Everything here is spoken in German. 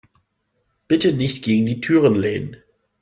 Bitte nicht gegen die Türen lehnen.